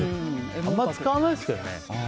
あんまり使わないですけどね。